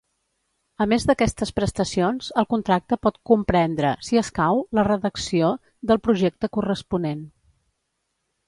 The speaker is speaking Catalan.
A més d'aquestes prestacions, el contracte pot comprendre, si escau, la redacció del projecte corresponent.